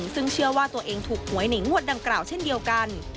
ซึ่งเชื่อว่าตัวเองถูกหวยในงวดดังกล่าวเช่นเดียวกัน